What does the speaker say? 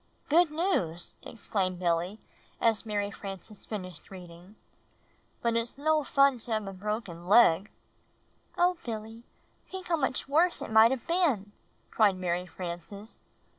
"Good news!" exclaimed Billy as Mary Frances finished reading; "but it's no fun to have a broken leg." "Oh, Billy, think how much worse it might have been," cried Mary Frances.